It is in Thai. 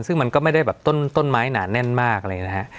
ซึ่งมันก็ไม่ได้แบบต้นไม้หนาแน่นมากเลยนะฮะ